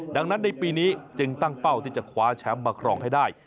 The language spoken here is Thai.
ดังนั้นในปีนี้จึงตั้งเป้าที่จะคว้าแชมป์มาครองให้ได้